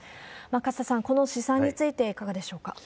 勝田さん、この試算についていかがでしょうか？